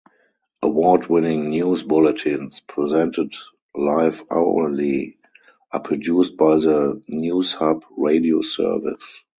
Award-winning news bulletins, presented live hourly, are produced by the Newshub Radio service.